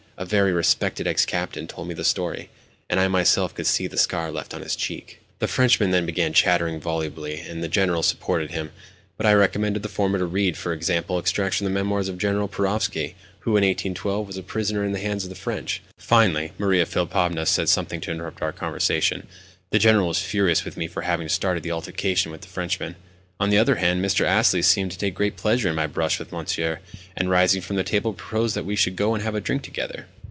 "A very respected ex captain told me the story, and I myself could see the scar left on his cheek." The Frenchman then began chattering volubly, and the General supported him; but I recommended the former to read, for example, extracts from the memoirs of General Perovski, who, in 1812, was a prisoner in the hands of the French. Finally Maria Philipovna said something to interrupt the conversation. The General was furious with me for having started the altercation with the Frenchman. On the other hand, Mr. Astley seemed to take great pleasure in my brush with Monsieur, and, rising from the table, proposed that we should go and have a drink together.